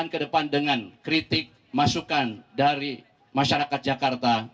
ke depan dengan kritik masukan dari masyarakat jakarta